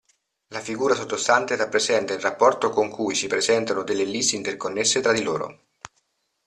La figura sottostante rappresenta il rapporto con cui si presentano delle ellissi interconnesse tra di loro.